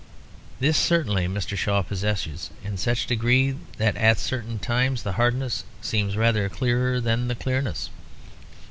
This certainly Mr. Shaw possesses; in such degree that at certain times the hardness seems rather clearer than the clearness.